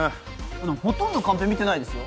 でもほとんどカンペ見てないですよ。